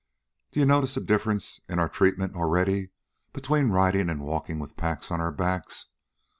"D'ye notice the difference in our treatment already between ridin' an' walkin' with packs on our backs?